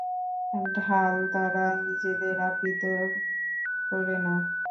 ঢাল দ্বারা নিজেদের আবৃত করে নাও।